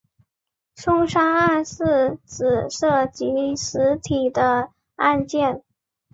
凶杀案是指涉及死体的案件。